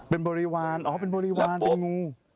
เป็นบริวารอ๋อเป็นบริวารเป็นงู